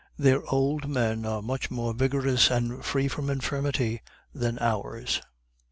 Their old men are much more vigorous and free from infirmity than ours.